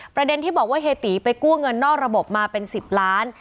ประเด็นที่บอกว่าเฮตีไปกู้เงินนอกระบบมาเป็น๑๐ล้าน